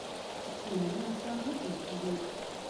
هنري آثار وپنځوي.